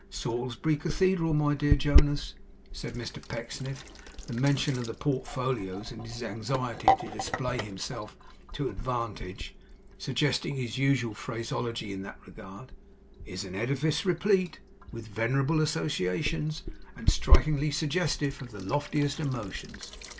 Salisbury Cathedral, my dear Jonas,' said Mr Pecksniff; the mention of the portfolios and his anxiety to display himself to advantage, suggesting his usual phraseology in that regard, 'is an edifice replete with venerable associations, and strikingly suggestive of the loftiest emotions.